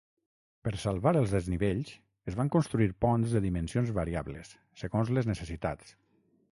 Per salvar els desnivells es van construir ponts de dimensions variables, segons les necessitats.